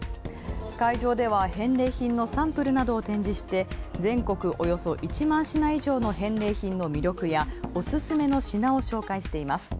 会場では返礼品のサンプルを展示して、全国およそ１万品以上の返礼品の魅力やおすすめの品を紹介しています。